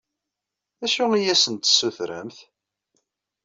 D acu i asen-d-tessutremt?